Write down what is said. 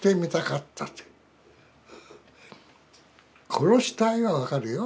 「殺したい」は分かるよ。